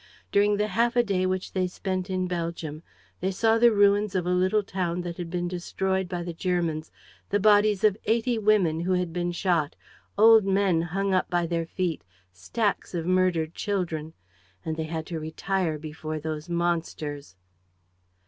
During the half a day which they spent in Belgium, they saw the ruins of a little town that had been destroyed by the Germans, the bodies of eighty women who had been shot, old men hung up by their feet, stacks of murdered children. And they had to retire before those monsters!